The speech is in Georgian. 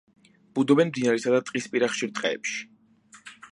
ბუდობენ მდინარისა და ტყისპირა ხშირ ტყეებში.